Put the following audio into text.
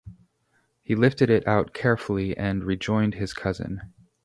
He lifted it out carefully, and rejoined his cousin.